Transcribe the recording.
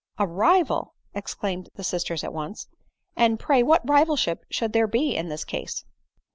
"A rival !" exclaimed the sisters at once; "And, pray, what rivalship could there be in this case